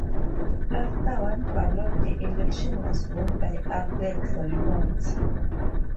After one ballot the election was won by Albert Reynolds.